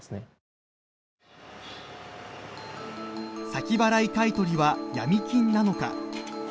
先払い買い取りはヤミ金なのか？